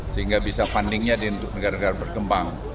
sehingga bisa fundingnya untuk negara negara berkembang